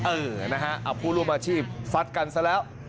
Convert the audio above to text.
เออนะฮะเอาผู้ร่วมอาชีพฟัดกันซะแล้ว